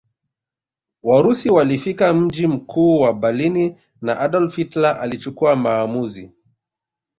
Warusi walifika mji mkuu wa Berlini na Adolf Hitler alichukua maamuzi